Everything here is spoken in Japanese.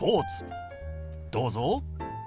どうぞ。